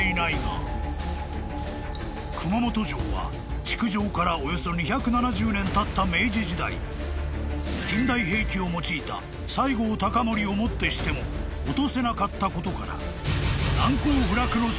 ［熊本城は築城からおよそ２７０年たった明治時代近代兵器を用いた西郷隆盛をもってしても落とせなかったことから難攻不落の城と呼ばれる］